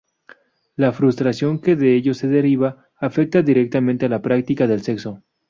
La frustración que de ello se deriva afecta directamente a la práctica del sexo.